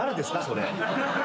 それ。